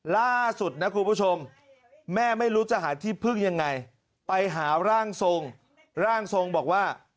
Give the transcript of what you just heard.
ล่าสุดนะคุณผู้ชมแม่ไม่รู้จะหาที่พึ่งยังไงไปหาร่างทรงร่างทรงบอกว่า